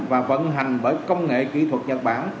và vận hành bởi công nghệ kỹ thuật nhật bản